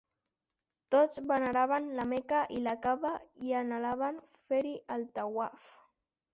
Tots veneraven la Meca i la Kaba i anhelaven fer-hi el tawaf.